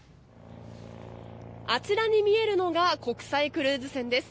あちらに見えるのが国際クルーズ船です。